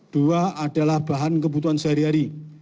dua adalah bahan kebutuhan sehari hari